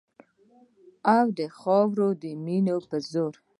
او د خاورې د مینې په زور